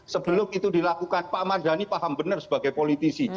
sebelum itu dilakukan pak mardhani paham benar sebagai politisi